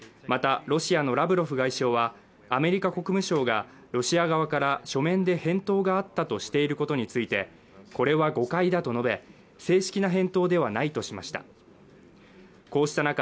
またロシアのラブロフ外相はアメリカ国務省がロシア側から書面で返答があったとしていることについてこれは誤解だと述べ正式な返答ではないとしました